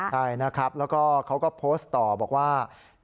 ใช่นะครับแล้วก็เขาก็โพสต์ต่อบอกว่า